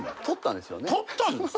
取ったんですよ。